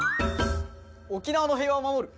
沖縄の平和をまもる。